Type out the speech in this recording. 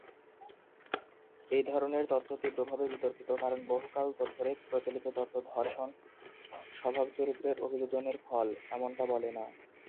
এই ধরনের তত্ত্ব তীব্রভাবে বিতর্কিত, কারণ বহুকাল ধরে প্রচলিত তত্ত্ব ধর্ষণ; স্বভাব-চরিত্রের অভিযোজনের ফল, এমনটা বলে না।